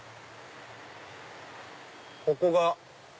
ここが。